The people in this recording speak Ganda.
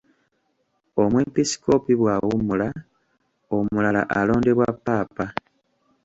Omwepiskoopi bw'awummula, omulala alondebwa Ppaapa.